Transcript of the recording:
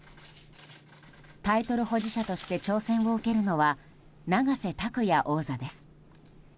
タイトル保持者として挑戦を受けるのは永瀬拓矢王座です。